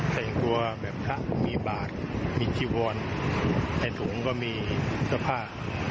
ใครกลัวแบบถ้ามีบาทมีชีววรในถุงก็มีเสื้อผ้า